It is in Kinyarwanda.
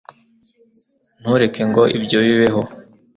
ntureke ngo ibyo bibeho